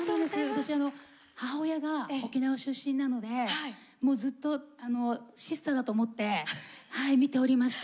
私母親が沖縄出身なのでもうずっとシスターだと思って見ておりました。